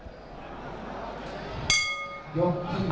ตอนล่ะ